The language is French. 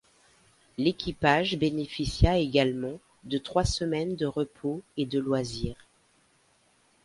L’équipage bénéficia également de trois semaines de repos et de loisirs.